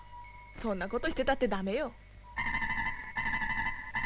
そんなことしてたってダメよ。